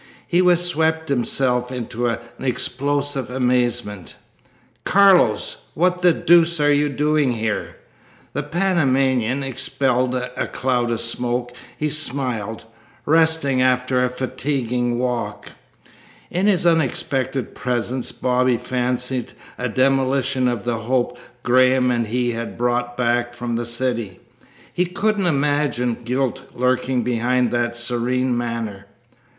He was swept himself into an explosive amazement: "Carlos! What the deuce are you doing here?" The Panamanian expelled a cloud of smoke. He smiled. "Resting after a fatiguing walk." In his unexpected presence Bobby fancied a demolition of the hope Graham and he had brought back from the city. He couldn't imagine guilt lurking behind that serene manner.